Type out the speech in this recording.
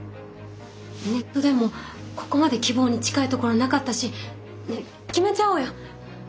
ネットでもここまで希望に近いところなかったしねっ決めちゃおうよ。